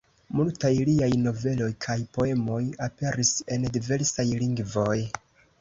Multaj liaj noveloj kaj poemoj aperis en diversaj lingvoj.